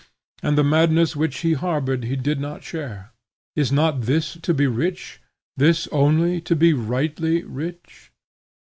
And the madness which he harbored he did not share. Is not this to be rich? this only to be rightly rich?